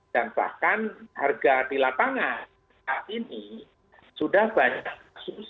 dan bahkan harga di lapangan saat ini sudah banyak kasus